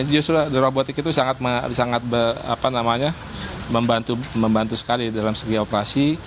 justru robotik itu sangat membantu sekali dalam segi operasi